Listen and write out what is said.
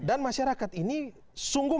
dan masyarakat ini sungguh